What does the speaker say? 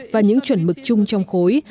và những chuẩn mực chung trong khối